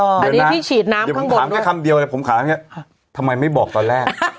อันนี้พี่ฉีดน้ำข้างบนด้วยเดี๋ยวผมถามแค่คำเดียวผมถามแบบนี้ทำไมไม่บอกตอนแรก